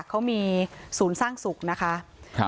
เขามีศูนย์สร้างสุขนะคะ